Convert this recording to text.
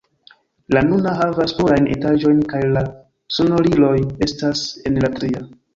La nuna havas plurajn etaĝojn kaj la sonoriloj estas en la tria.